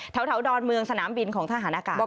ท้าวดอนเมืองสนามบินของทหารอากาศนะครับ